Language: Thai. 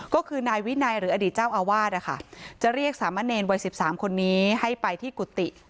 ก็คือนายวินัยหรืออดีตเจ้าอาวาสนะคะจะเรียกสามะเนรวัย๑๓คนนี้ให้ไปที่กุฏิ